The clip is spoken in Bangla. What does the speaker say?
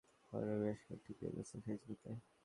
ঢাকা থেকে চালানো হয়—এ রকম আরও বেশ কয়েকটি পেজ আছে ফেসবুকে।